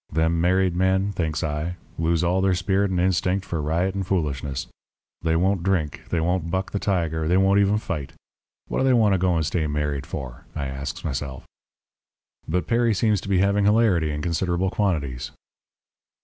'Them married men,' thinks I, 'lose all their spirit and instinct for riot and foolishness. They won't drink, they won't buck the tiger, they won't even fight. What do they want to go and stay married for?' I asks myself. "But Perry seems to be having hilarity in considerable quantities.